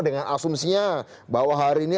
dengan asumsinya bahwa hari ini